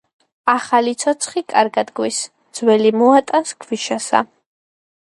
ახალი ცოცხი კარგად გვის, ძველი მოატანს ქვიშასა